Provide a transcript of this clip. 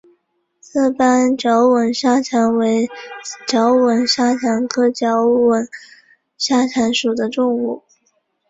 色斑角吻沙蚕为角吻沙蚕科角吻沙蚕属的动物。